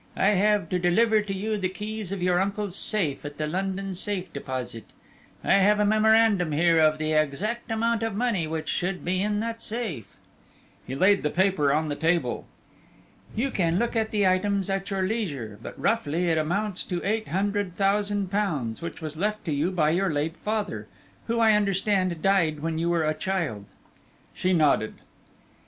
"I have to deliver to you the keys of your uncle's safe at the London Safe Deposit. I have a memorandum here of the exact amount of money which should be in that safe." He laid the paper on the table. "You can look at the items at your leisure, but roughly it amounts to eight hundred thousand pounds, which was left you by your late father, who, I understand, died when you were a child." She nodded.